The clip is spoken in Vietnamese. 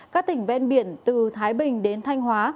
các tỉnh ven biển từ thái bình đến thanh hóa